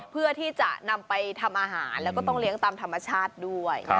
เพื่อที่จะนำไปทำอาหารแล้วก็ต้องเลี้ยงตามธรรมชาติด้วย